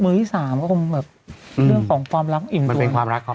มื้อที่๓ขึ้นมาก็เป็นเรื่องความรักอิ่มตัว